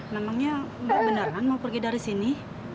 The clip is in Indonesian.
namanya mbak beneran mau pergi dari sini